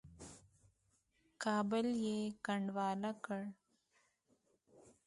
کابل یې کنډواله کړ.